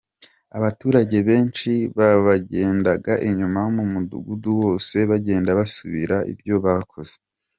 Abaturage benshi babagendaga inyuma mu mudugudu wose bagenda basubiramo ibyo bakoze.